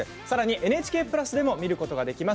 ＮＨＫプラスでも見ることができます。